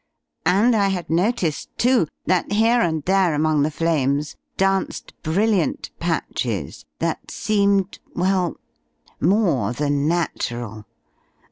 And I had noticed, too, that here and there among the flames danced brilliant patches that seemed, well more than natural.